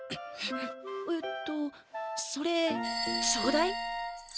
えっとそれちょうだい。